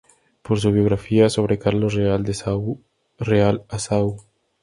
Por su biografía sobre Carlos Real de Azúa, "Real de Azúa.